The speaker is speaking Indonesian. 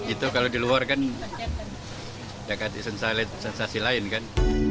itu kalau di luar kan dekat sensai sensasi lain kan